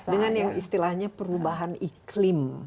dengan yang istilahnya perubahan iklim